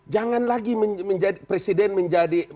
jangan lagi presiden menjadi